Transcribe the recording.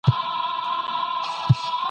موږ ته په کار ده چي مځکه له ککړتیا وژغورو.